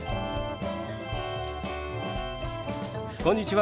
こんにちは。